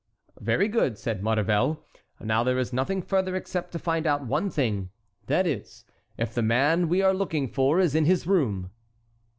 "Very good," said Maurevel. "Now there is nothing further except to find out one thing—that is, if the man we are looking for is in his room."